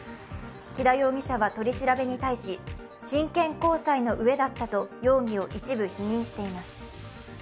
木田容疑者は取り調べに対し真剣交際の上だったと容疑を一部否認しています。